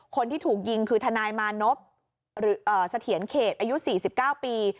คนที่ถูกยิงคือทนายมานพเสถียรเขตอายุ๔๙ปี